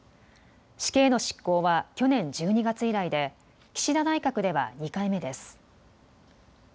死刑の執行は去年１２月以来で岸田内閣では２回目です。